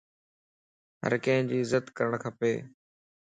ھرڪي جي عزت ڪرڻ کپ